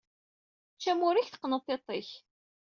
Ečč amur-ik, teqqeneḍ tiḍt-ik!